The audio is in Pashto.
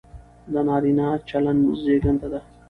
د نارينه چلن زېږنده دى،